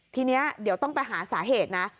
ทีนี้เดี๋ยวต้องไปหาสาเหตุนะ